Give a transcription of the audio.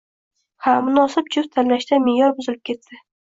Ha, munosib juft tanlashda meʼyor buzilib ketdi.